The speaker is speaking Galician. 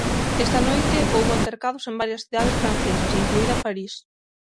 Esta noite houbo altercados en varias cidades francesas, incluída París.